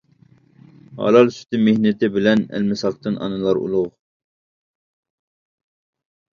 ھالال سۈتى مېھنىتى بىلەن، ئەلمىساقتىن ئانىلار ئۇلۇغ.